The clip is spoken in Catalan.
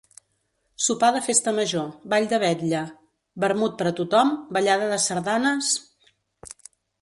Sopar de festa major, ball de vetlla, vermut per a tothom, ballada de sardanes...